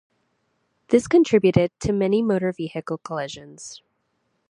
This contributed to many motor vehicle collisions.